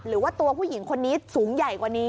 หรือว่าตัวผู้หญิงคนนี้สูงใหญ่กว่านี้